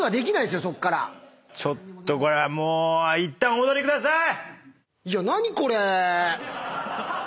ちょっとこれはもーういったんお戻りください！